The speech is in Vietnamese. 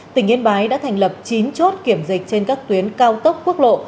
tỉnh yên bái đã thành lập chín chốt kiểm dịch trên các tuyến cao tốc quốc lộ